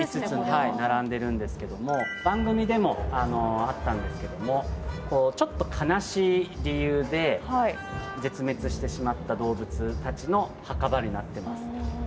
５つ並んでるんですけども番組でもあったんですけどもちょっと悲しい理由で絶滅してしまった動物たちの墓場になってます。